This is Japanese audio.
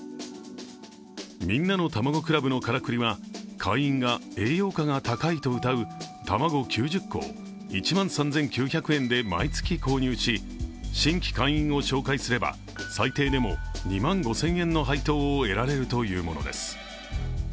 みんなのたまご倶楽部のカラクリは会員は栄養価が高いとうたう卵９０個を１万３９００円で毎月購入し新規会員を紹介すれば最低でも２万５０００円の配当を得られるというものです。